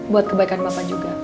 buat kebaikan bapak juga